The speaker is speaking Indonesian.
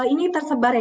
ini tersebar ya